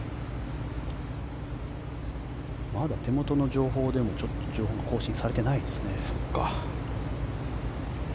まだ手元の情報でもちょっと情報が更新されていないですね。